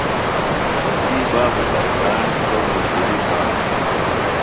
تسی بابو ترکاݨ ۔ سوۡ مزدوری تھانو۔